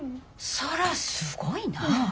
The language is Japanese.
そらすごいなぁ。